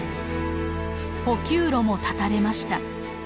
補給路も断たれました。